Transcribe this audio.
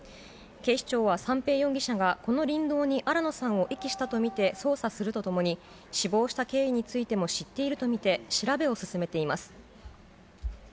警視庁は、三瓶容疑者がこの林道に新野さんを遺棄したと見て捜査するとともに、死亡した経緯についても知っていると見て、調べを進めています。